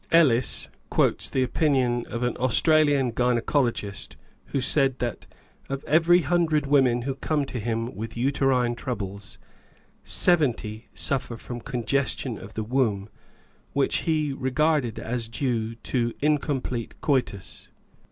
Ellis* quotes the opinion of an Austrian gynecologist who said that, " of every hundred women who come to him with uterine troubles, seventy suffer from congestion of the womb, which he regarded as due to incomplete coitus."